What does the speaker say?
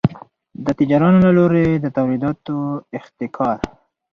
د تجارانو له لوري د تولیداتو احتکار.